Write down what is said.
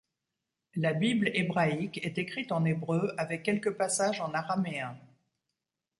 La Bible hébraïque est écrite en hébreu avec quelques passages en araméen.